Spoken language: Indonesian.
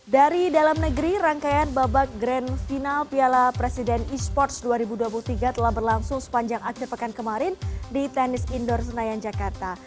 dari dalam negeri rangkaian babak grand final piala presiden e sports dua ribu dua puluh tiga telah berlangsung sepanjang akhir pekan kemarin di tenis indoor senayan jakarta